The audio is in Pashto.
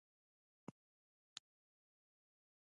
آیا کلي د افغانستان اقتصادي ستون فقرات دي؟